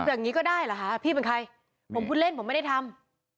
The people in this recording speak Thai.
อย่างนี้ก็ได้เหรอคะพี่เป็นใครผมพูดเล่นผมไม่ได้ทำ